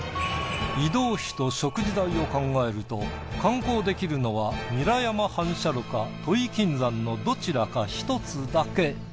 移動費と食事代を考えると観光できるのは韮山反射炉か土肥金山のどちらか１つだけ。